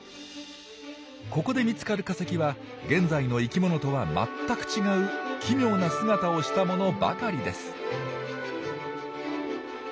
ここで見つかる化石は現在の生きものとは全く違う奇妙な姿をしたものばかりです。